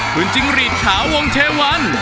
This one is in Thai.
คุณจิ้งหรีดถาวงเทวัน